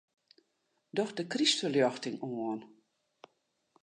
Doch de krystferljochting oan.